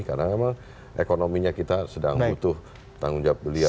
karena memang ekonominya kita sedang butuh tanggung jawab beliau